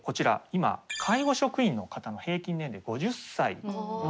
今介護職員の方の平均年齢５０歳。